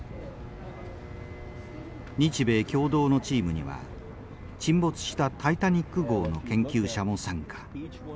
日米共同のチームには沈没したタイタニック号の研究者も参加。